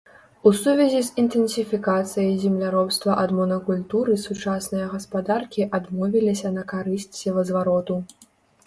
У сувязі з інтэнсіфікацыяй земляробства ад монакультуры сучасныя гаспадаркі адмовіліся на карысць севазвароту.